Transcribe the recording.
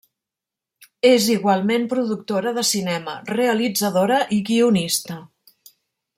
És igualment productora de cinema, realitzadora i guionista.